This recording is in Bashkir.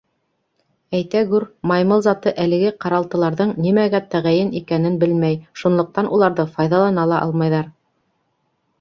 Әйтәгүр, маймыл заты әлеге ҡаралтыларҙың нимәгә тәғәйен икәнен белмәй, шунлыҡтан уларҙы файҙалана ла алмайҙар.